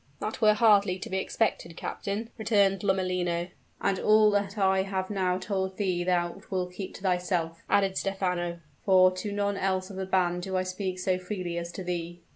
"That were hardly to be expected captain," returned Lomellino. "And all that I have now told thee thou wilt keep to thyself," added Stephano; "for to none else of the band do I speak so freely as to thee."